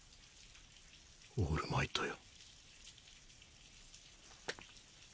オールマイトよ。